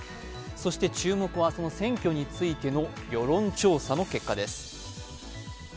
そして注目は選挙についての世論調査の結果です。